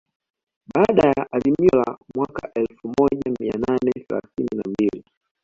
Baada ya azimio la mwaka wa elfu moja mia nane thelathini na mbili